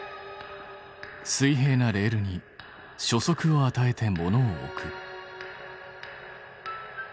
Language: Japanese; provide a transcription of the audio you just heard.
水平なレールに初速をあたえて物を置く。